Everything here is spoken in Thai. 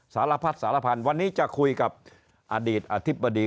สารพัดสารพันธุ์วันนี้จะคุยกับอดีตอธิบดี